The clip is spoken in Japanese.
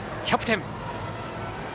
キャプテン。